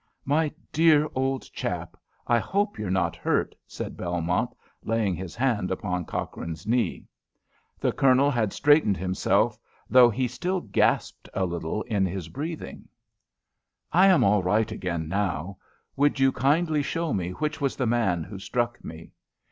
"My dear old chap, I hope you're not hurt?" said Belmont, laying his hand upon Cochrane's knee. The Colonel had straightened himself, though he still gasped a little in his breathing. "I am all right again, now. Would you kindly show me which was the man who struck me?"